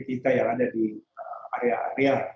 kita yang ada di area area